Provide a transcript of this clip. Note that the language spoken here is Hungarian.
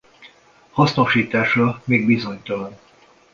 Hasznosítása még bizonytalan.